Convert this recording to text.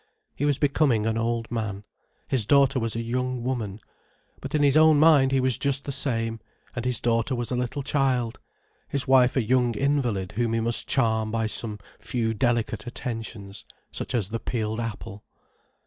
He was becoming an old man: his daughter was a young woman: but in his own mind he was just the same, and his daughter was a little child, his wife a young invalid whom he must charm by some few delicate attentions—such as the peeled apple.